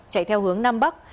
chạy theo hướng nam bắc